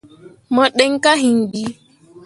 Mo ɗǝn kah hiŋ bii.